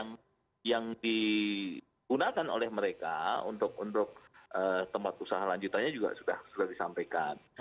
ternyata itu adalah pekerjaan yang digunakan oleh mereka untuk tempat usaha lanjutannya juga sudah disampaikan